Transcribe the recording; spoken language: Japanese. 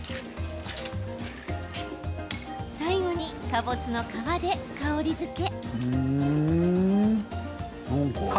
最後にかぼすの皮で香りづけ。